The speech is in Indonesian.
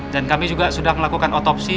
dan kami juga sudah melakukan otopsi